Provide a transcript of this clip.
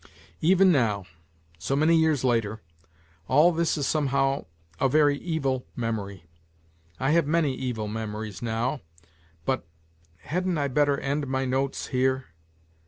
Even now, so many years later, all this is somehow a very evil memory. I have, many evil memories now, but ... hadn't I better end my " Notes " here